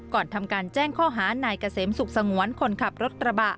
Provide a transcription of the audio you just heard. ก่อนทำการแจ้งข้อหานายเกษมสุขสงวนคนขับรถกระบะ